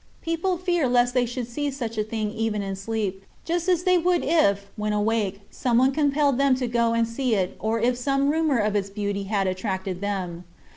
People fear lest they should see such a thing even in sleep, just as they would if, when awake, someone compelled them to go and see it or if some rumor of its beauty had attracted them.